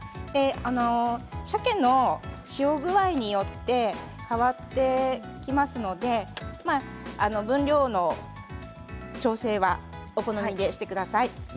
さけの塩具合によって変わってきますので分量の調整はお好みでしてください。